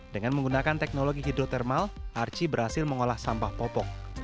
dengan menggunakan teknologi hidrotermal arci berhasil mengolah sampah popok